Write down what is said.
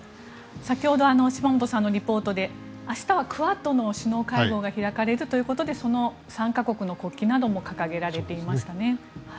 先ほど島本さんのリポートで明日はクアッドの首脳会合が開かれるということでその３か国の国旗なども掲げられていましたね。